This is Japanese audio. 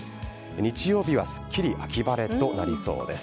日曜日はすっきり秋晴れとなりそうです。